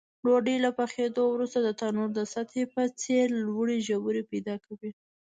ډوډۍ له پخېدلو وروسته د تنور د سطحې په څېر لوړې ژورې پیدا کوي.